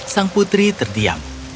sang putri terdiam